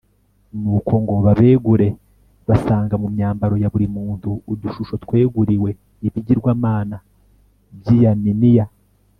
nuko ngo babegure, basanga mu myambaro ya buri muntu udushusho tweguriwe ibigirwamana by'i yaminiya